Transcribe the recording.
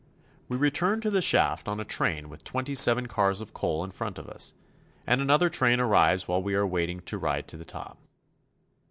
We return to the shaft on a train with twenty seven cars of coal in front of us, and another train arrives while we are waiting to ride to the top.